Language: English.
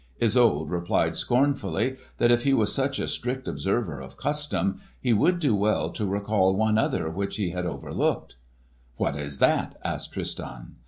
Isolde replied scornfully, that if he was such a strict observer of custom, he would do well to recall one other which he had overlooked. "What is that?" asked Tristan.